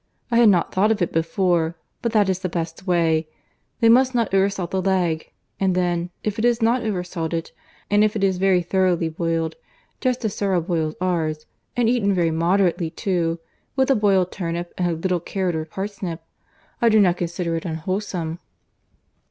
I had not thought of it before, but that is the best way. They must not over salt the leg; and then, if it is not over salted, and if it is very thoroughly boiled, just as Serle boils ours, and eaten very moderately of, with a boiled turnip, and a little carrot or parsnip, I do not consider it unwholesome."